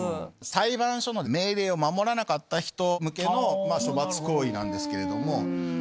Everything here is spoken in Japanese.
裁判所の命令を守らなかった人向けの処罰行為なんですけれども。